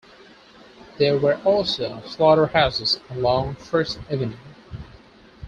There were also of slaughterhouses along First Avenue.